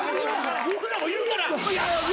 僕らもいるから。